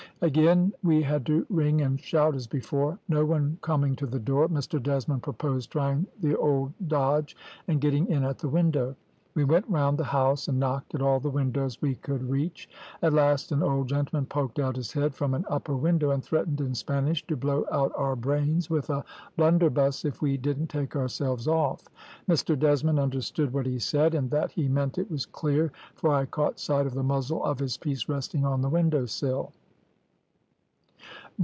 "Again we had to ring and shout as before. No one coming to the door, Mr Desmond proposed trying the old dodge, and getting in at the window. We went round the house, and knocked at all the windows we could reach. At last an old gentleman poked out his head from an upper window, and threatened in Spanish to blow out our brains with a blunderbuss, if we didn't take ourselves off. Mr Desmond understood what he said, and that he meant it was clear, for I caught sight of the muzzle of his piece resting on the window sill.